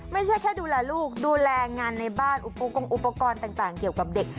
ไม่ใช่แค่ดูแลลูกดูแลงานในบ้านอุปกรณ์ต่างเกี่ยวกับเด็ก